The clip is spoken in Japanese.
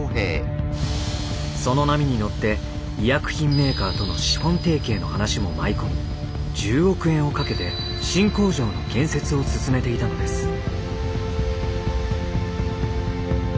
その波に乗って医薬品メーカーとの資本提携の話も舞い込み１０億円をかけて新工場の建設を進めていたのです。